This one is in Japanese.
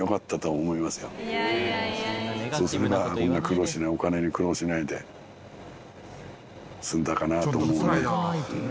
そうすればこんな苦労しないお金に苦労しないで済んだかなと思うね。